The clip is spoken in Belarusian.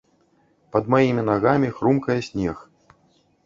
Пад маімі нагамі хрумкае снег.